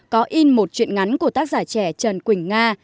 có in một chuyện ngắn của tác giả trẻ trần quỳnh nga